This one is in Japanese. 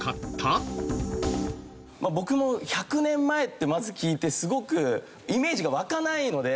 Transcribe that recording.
僕も１００年前ってまず聞いてすごくイメージが湧かないので。